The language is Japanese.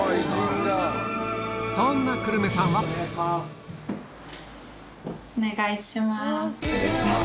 そんな来夢さんはお願いします。